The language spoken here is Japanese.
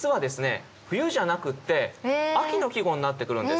冬じゃなくって秋の季語になってくるんです。